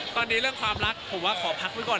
ตอนนี้เรื่องความรักผมว่าขอพักไว้ก่อน